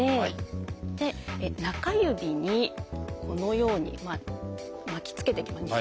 中指にこのように巻きつけていきます。